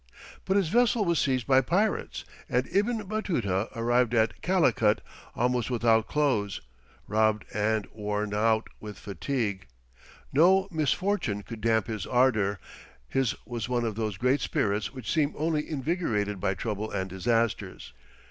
] But his vessel was seized by pirates, and Ibn Batuta arrived at Calicut almost without clothes, robbed, and worn out with fatigue. No misfortune could damp his ardour, his was one of those great spirits which seem only invigorated by trouble and disasters.